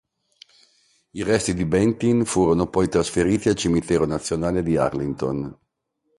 I resti di Benteen furono poi trasferiti al cimitero nazionale di Arlington.